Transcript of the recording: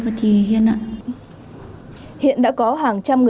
với số tiền lên